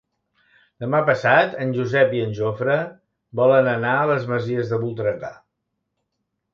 Demà passat en Josep i en Jofre volen anar a les Masies de Voltregà.